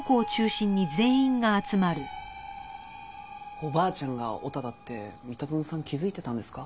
おばあちゃんがオタだって三田園さん気づいてたんですか？